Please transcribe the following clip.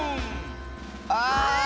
あ！